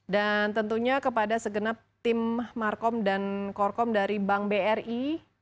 dan tentunya kepada segenap tim markom dan korkom dari bank bri